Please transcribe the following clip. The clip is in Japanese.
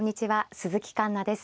鈴木環那です。